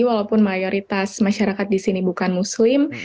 walaupun mayoritas masyarakat di sini bukan muslim